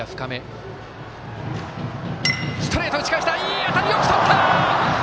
いい当たり、よくとった！